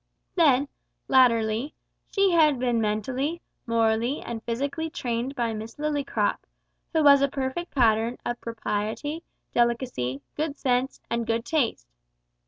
Then, latterly, she had been mentally, morally, and physically trained by Miss Lillycrop, who was a perfect pattern of propriety delicacy, good sense, and good taste.